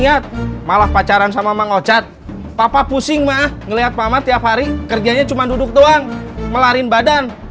assalamualaikum mang ocan